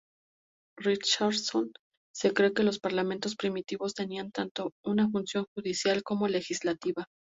Richardson, se cree que los parlamentos primitivos tenían tanto una función judicial como legislativa.